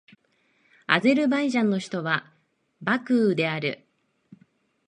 アゼルバイジャンの首都はバクーである